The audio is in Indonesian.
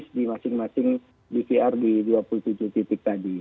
jadi kita akan mengambil hard disk di masing masing dvr di dua puluh tujuh titik tadi